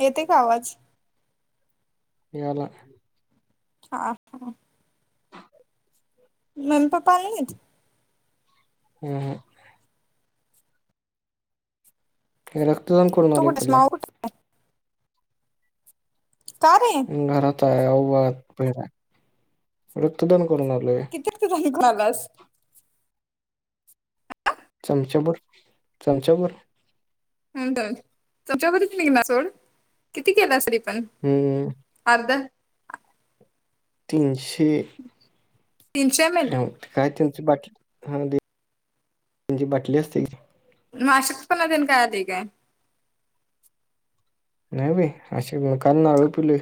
येते का आवाज? यालाय. हा हा, मम्मी, पापा पा आले नाहीत? हम्म हे रख तू कुठेस माऊ [unintelligible] कुठे का रे तळ्यावर भात पेराय, रक्तदान. करून आलोय किती रक्तदान करुण आला. ग्लास चमचाभर चमचाभर हम चमचाभर तर निघेना सोड, किती केलास रे? पण हम्म आर्ध तीनशे हे तीनशे एम एल कायती बाट हा म्हेणजे ती जी बाटली असते कणी मशक पण देन काय आलय काय? नाही बाई अस काल नारळ फोडलोय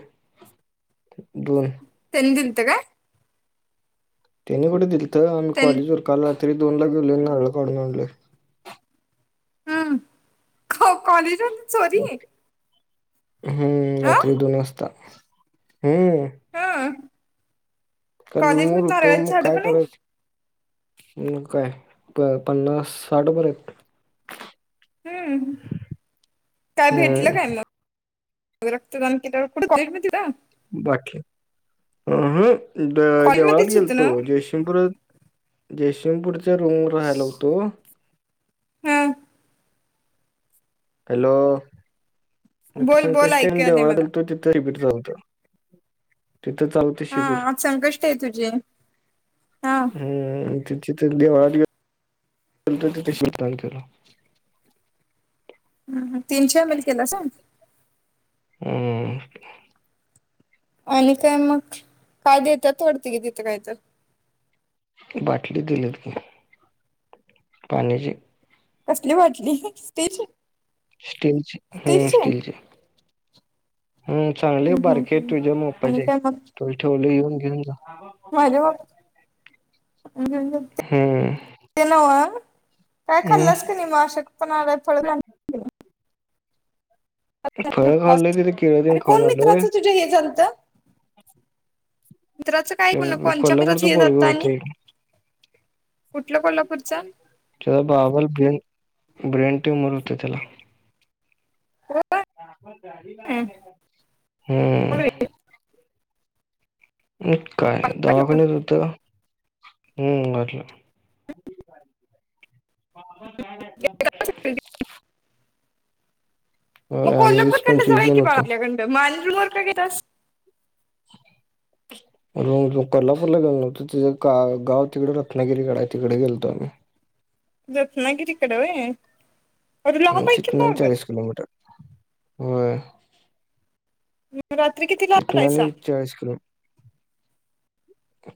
व्हय [unintelligible] दिलत काय? त्यांनी कुठे दि आ आम् त्यां कॉलेज वर काल तरी दोन ला गेलोय आणि नारळ काढून आणलोय. हम्म कॉलेजात. सॉरी. हम्म अ रात्री दोन वाजता. हम्म ह काल कॉलेज ऊन मध्ये होतं नारळाची मग झाडं काय पण आहेत करायच? मग काय पन्नास साठ भर आहेत. हम्म काय भेटलं हम्म काय मग? रक्तदान केल्यावर कुठ कॉलेज मध्ये होतं? बाकी अम हं देवळात कॉलेजमध्येच होतं गेलतो ना जयसिंगपूरात जयसिंगपूरात रूम राहायला होतो. हा हॅलो मग बोल बोल संकष्टी ऐकू आणि आलंय देवळात मला गेलतो तिथं [unintelligible] जाऊत. तिथं चालते हा शिबिर आज संकष्टी आहे तुझी हा हम्म तिथे देवळात गेलतो तिथं शिबिर दान केल. हम्म ह तीनशे एमएल केलास होय. हम्म आणि काय मग काय देत्यात वाढत कि तिथं काय तर बाटली दिल्यात की पाण्याची कसली बाटली स्टीलची. स्टीलची हा स्टीलची. हम चांगली हाय बारकी हाय तुझ्या आणि माप्पाची हाय. काय मग तुझ ठेवले येऊन घेऊन जा. [unintelligible] हम्म हम्म, हम्म ते नव काय हम्म खाल्लंस क नाही म अशक्त आपण आलय थोड प्लॅनिंग करूया? फळ खाल्लं तिथं केळबेळ अरे कोण खाऊन आलोय. मित्राचं तुझ्या हे झालत मित्राचं काय कोण कोणच्या मित्राचं कोल्हापूरच हे पोरग झालतं होत आणि एक. कुठलं कोल्हापूरचा च बाबल ब्रेन ब्रेन ट्यूमर होत त्याला. हम्म. काय दवाखान्यात होत. हम्म वाटल. [unintelligible] म कोल्हापूर वीस कडन पंचवीस जाऊया जण की बाळ होतो आपल्याकडं म आणि ट्रू वर का घेलतास. [unintelligible] कोल्हापूरला गेलो नव्हतो तिच गाव तिकडे रत्नागिरीकडे आहे तिकडे गेलतो आम्ही. रत्नागिरीकडे होय. तिथन चाळीस किलोमीटर होय. [inaudible] रात्री किती ला तिथनं आलायसा? आणि चाळीस किलो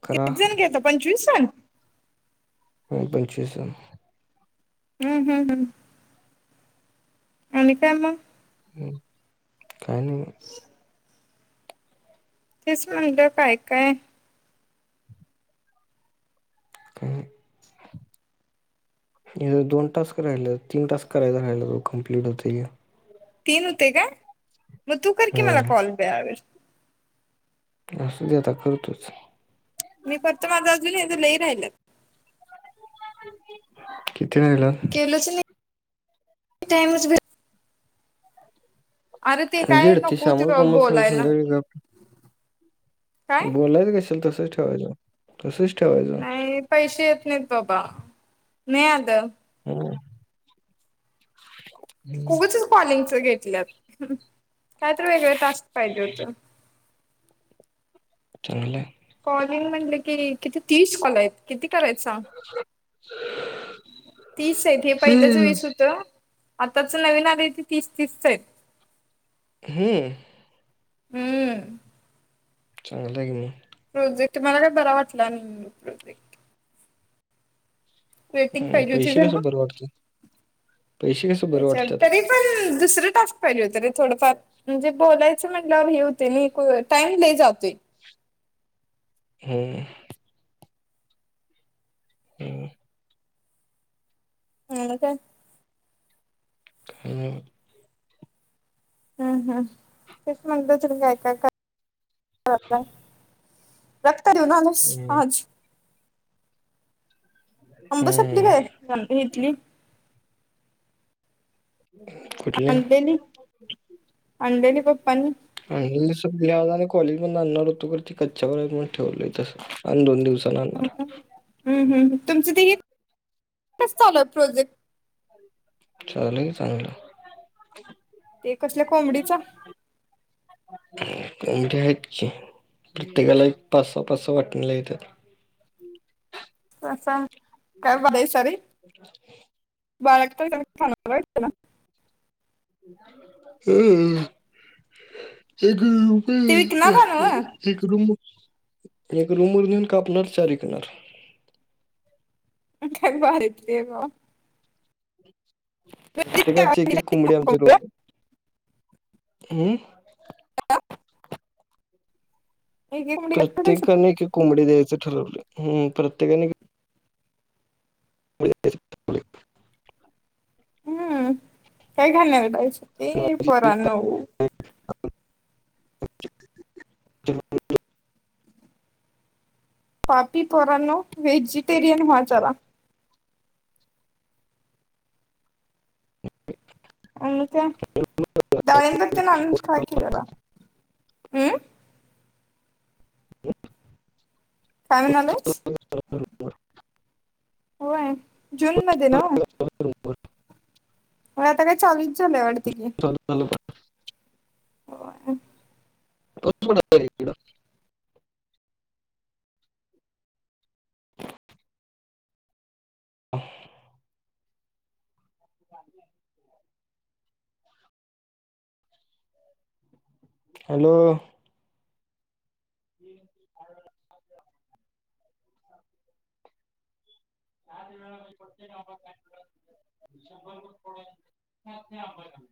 करा किती जण गेलता पंचवीस जन? हा पंचविस जण. हम्म हम्म हम्म. आणि काय मग? काय नाय म. तेच म्हणलं काय काय? हम्म, हिज दोन टास्क राहील तीन टास्क करायचं राहिल्या वर कमप्लीट होतय घे. तीन होतय काय? मग तू करकी मला हम्म कॉल ब्या असू दे आता कर तूच - - मी फक्त माझ अजून याचं लई राहिल्यात. [inaudible] ती हिला - - टाईमच भेट अरे ते काय म्हजेड ते नको श्यामल कोमल बोलायला संध्याकाळी जात काय बोलायच कशाला तस - - ठेवायचं तसचं - - नाही. पैसे येत नाहीत बाबा. नाही आलं. हं, [inaudible] उगचच कॉलिंगच- - घेतल्यात कायतर वेगळ टास्क पाहिजे होत. चांगलाय. कॉलिंग म्हटलं की किती तीस कॉल हैत किती - - करायच. तीस आहेत हे पहिल्याच हं. वीस होतं आताच नवीन आलय ते तीस तीसच हाइत. हम. हम्म. चांगलं हाय की म प्रोजेक्ट मला काय बरा वाटला नाही ह्यो प्रोजेक्ट. वेटिंग हं, पाहिजे होती पैसे जरा कसं - बरं वाटतं? - पैसे कसं ये बरं चल, वाटतात? तरी पण दुसरं टास्क पाहिजे होत रे थोडफार म्हणजे बोलायचं म्हटल्यावर हे होतंय नई टाईम लय जातोय. हम. हमं. हं काय. अं - - हम्म हम्. तेच म्हणलं तुला काय काय क - - हो काय. [unintelligible] [unintelligible] हं, आज - - आंब संपली हं. काय, [unintelligible] कुठल्या? आणलेली, आणलेली पप्पानी - - [unintelligible] कॉलेजमधनं आणणार होतो खरं ती कच्च्यावर हाईत म्हणुन ती ठेवलोय तसचं. हम्म हम् तुमचं ते हे - - कसं चालू हाय प्रोजेक्ट. चालू आहे की चांगलं ते कसल्या कोबडीचा [unintelligible] आहेत की तिघाला एक पासा पासा वाटणीला येतात. [unintelligible] काय बारा सारे [unintelligible] [unintelligible] [unintelligible] रुप ते विकणार आहे ना एक रूम एक रूम वर घेऊन कापणार चारिकणार. काय भारीतली आहे ग ते काय कायची एक एक कुंबडी आमच्या रूम हम एक एक कोंबडी घेतलं तायसा. प्रत्येकाने एक एक कोंबडी द्यायचं ठरवलं ह प्रत्य हो न [inaudible] हम्म काय खाणार आहे. आज ते पोरांनो ह पापी पोरांनो व्हेजिटेरियन वा जरा आणि [inaudible] फ्राय केलेला हम् हो काय म्हणालायस. होय जून मध्ये नव्ह होय. पण आता काय चालू झालय आपलं चाल ह ड ह [inaudible] हॅलो ह् [inaudible]